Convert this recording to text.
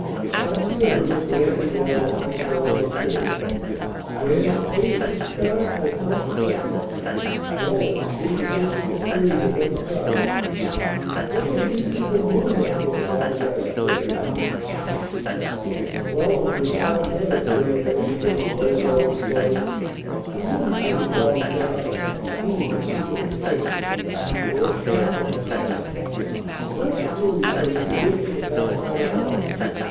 After a little Graham and Rawlins came down the stairs. Graham's face was scarred by fresh trouble. Rawlins drew the district attorney to one side. "What have you two been doing up there?" Bobby asked Graham. "Rawlins is hard headed," Graham answered in a low, worried tone. He wouldn't meet Bobby's eyes. He seemed to seek an escape. "Where's Katherine?" he asked. "Doctor Groom says she went to the back part of the house.